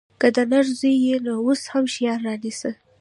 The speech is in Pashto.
که د نر زوى يې نو اوس هم شيان رانيسه.